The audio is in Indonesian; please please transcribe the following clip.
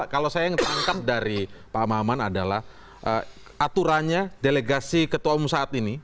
kalau saya yang tangkap dari pak mahaman adalah aturannya delegasi ketua umum saat ini